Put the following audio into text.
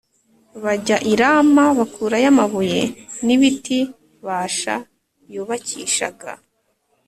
bajya i Rama bakurayo amabuye n’ibiti Bāsha yubakishaga